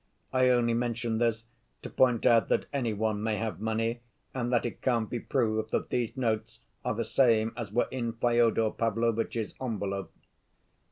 I only mention this to point out that any one may have money, and that it can't be proved that these notes are the same as were in Fyodor Pavlovitch's envelope.